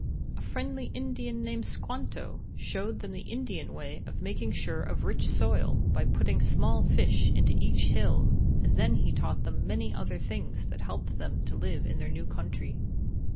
"A friendly Indian named Squanto showed them the Indian way of making sure of rich soil by putting small fish into each hill, and he taught them many other things that helped them to live in their new country.